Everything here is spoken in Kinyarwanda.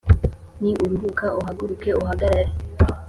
ni uruhuka uhaguruke uhagarare